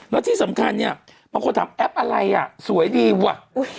แล้วที่สำคัญเนี่ยบางคนถามแอปอะไรอ่ะสวยดีว่ะ